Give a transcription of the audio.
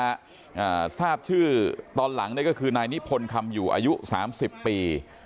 อ่าทราบชื่อตอนหลังเนี่ยก็คือนายนิพนธ์คำอยู่อายุสามสิบปี